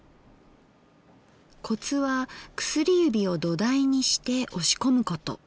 コツは薬指を土台にして押し込むこと。